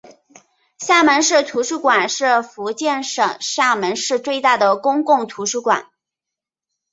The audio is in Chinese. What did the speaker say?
厦门市图书馆是福建省厦门市最大的公共图书馆。